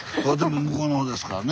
向こうの方ですからね。